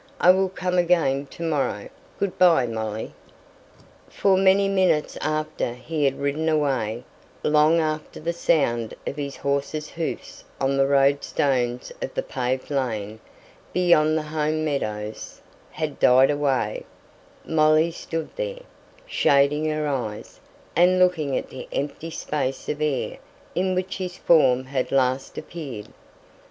I will come again to morrow. Good by, Molly." For many minutes after he had ridden away long after the sound of his horse's hoofs on the round stones of the paved lane, beyond the home meadows, had died away Molly stood there, shading her eyes, and looking at the empty space of air in which his form had last appeared.